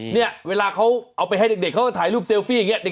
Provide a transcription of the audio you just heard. เนี่ยเวลาเขาเอาไปให้เด็กเขาก็ถ่ายรูปเซลฟี่อย่างนี้